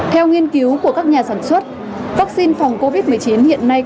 theo nghiên cứu của các nhà sản xuất vaccine phòng covid một mươi chín hiện nay có hiệu quả đặc biệt